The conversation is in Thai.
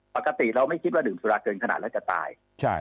ปกติเราไม่คิดว่าดื่มสุราเกินขนาดแล้วจะตาย